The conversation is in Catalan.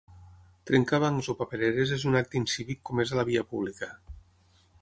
Trencar bancs o papereres és un acte incívic comès a la via pública.